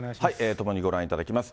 共にご覧いただきます。